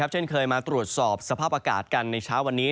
เช่นเคยมาตรวจสอบสภาพอากาศกันในเช้าวันนี้